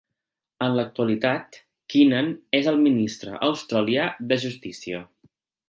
En l'actualitat, Keenan és el ministre australià de Justícia.